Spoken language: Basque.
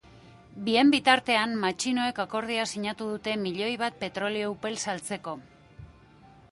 Bien bitartean, matxinoek akordioa sinatu dute milioi bat petrolio upel saltzeko.